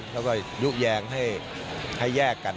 แล้วก็ยุแยงให้แยกกัน